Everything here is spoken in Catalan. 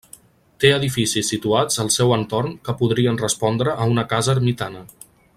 Té edificis situats al seu entorn que podrien respondre a una casa ermitana.